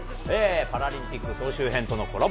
パラリンピック総集編とのコラボ